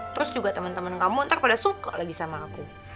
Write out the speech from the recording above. terus juga teman teman kamu ntar pada suka lagi sama aku